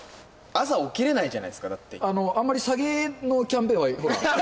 朝起きれないじゃないですか、あんまり下げのキャンペーンは。